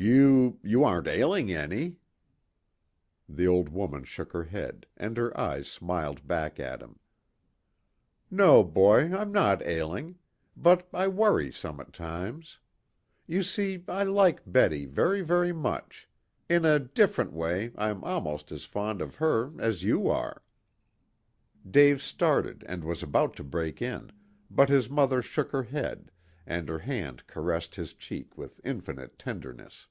"You you aren't ailing any?" The old woman shook her head, and her eyes smiled back at him. "No, boy, I'm not ailing. But I worry some at times. You see, I like Betty very, very much. In a different way, I'm almost as fond of her as you are " Dave started and was about to break in, but his mother shook her head, and her hand caressed his cheek with infinite tenderness.